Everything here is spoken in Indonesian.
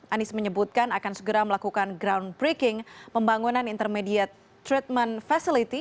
anies menyebutkan akan segera melakukan groundbreaking pembangunan intermediate treatment facility